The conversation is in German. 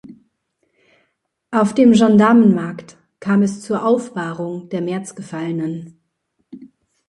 Auf dem Gendarmenmarkt kam es zur Aufbahrung der Märzgefallenen.